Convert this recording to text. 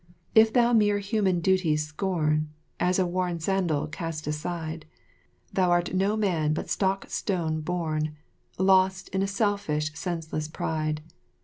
If thou mere human duties scorn, as a worn sandal cast aside, thou art no man but stock stone born, lost in a selfish senseless pride.